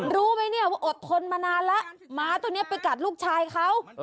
รู้ไหมเนี่ยว่าอดทนมานานแล้วหมาตัวนี้ไปกัดลูกชายเขา